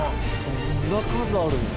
こんな数あるんだ。